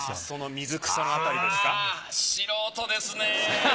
その水草のあたりですか？